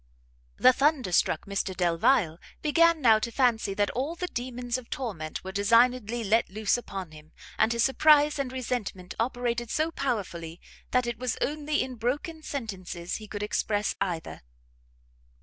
The thunderstruck Mr Delvile began now to fancy that all the demons of torment were designedly let loose upon him, and his surprise and resentment operated so powerfully that it was only in broken sentences he could express either.